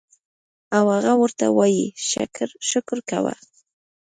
او هغه ورته وائي شکر کوه